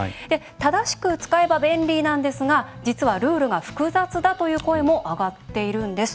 正しく使えば便利なんですが実はルールが複雑だという声も上がっているんです。